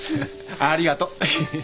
ありがとう。